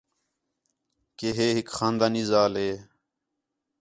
کہ ہے ہِک خاندانی ذال ہے